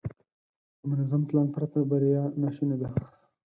د منظم پلان پرته بریا ناشونې ده.